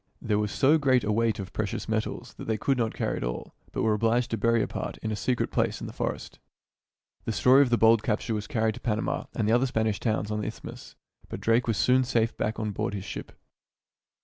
There was so great a weight of precious metals that they could not carry it all, but were obliged to bury a part in a secret place in the forest. The story of the bold capture was carried to "UPON A PEAK IN DARIEN" it Panama and the other Spanish towns on the isth mus, but Drake was Soon safe back on board of his ship.